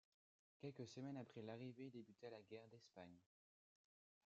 Quelques semaines après l'arrivée débuta la guerre d'Espagne.